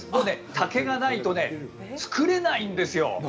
竹がないと作れないんですよ！